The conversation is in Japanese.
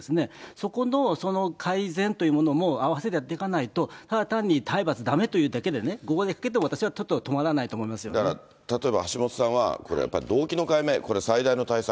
そこのその改善というものも併せてやっていかないと、ただ単に体罰だめというだけではね、号令かけても、私はちょっとだから例えば橋下さんは、これはやっぱり動機の解明、これ、最大の対策。